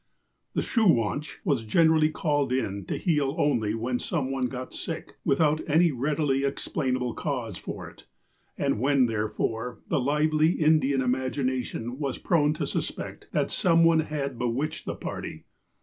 The '' Shoo wansh '' was generally called in to heal only when some one got sick without any readily explain able cause for it, and when, therefore, the lively Indian imagination was prone to suspect that some one had be witched the party.